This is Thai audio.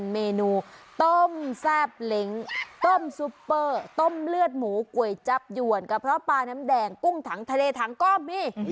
เมนูต้มแซ่บเล้งต้มซุปเปอร์ต้มเลือดหมูก๋วยจับหยวนกระเพาะปลาน้ำแดงกุ้งถังทะเลถังก็มี